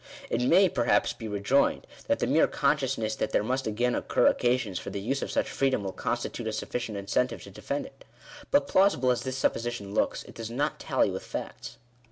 It may, perhaps, be rejoined, that the mere consciousness that there must again occur occasions for the use of such freedom will constitute a sufficient incentive to defend it. But plausible as this supposition looks, it does not tally with facts.